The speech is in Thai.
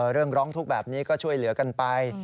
ร้องทุกข์แบบนี้ก็ช่วยเหลือกันไป